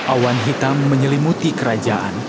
awan hitam menyelimuti kerajaan